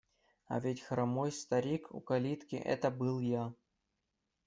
А ведь хромой старик у калитки – это был я.